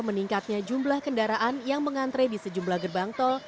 meningkatnya jumlah kendaraan yang mengantre di sejumlah gerbang tol